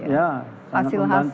ya sangat membantu hasil masyarakat